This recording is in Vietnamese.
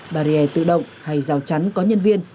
bariê tự động hay rào chắn có nhân viên